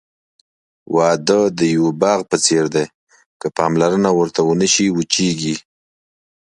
واده د یوه باغ په څېر دی، که پاملرنه ورته ونشي، وچېږي.